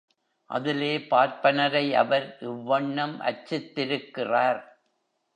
அதிலே பார்ப்பனரை அவர் இவ்வண்ணம் அர்ச்சித்திருக்கிறார்!